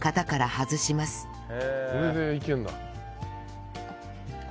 これでいけるんだ。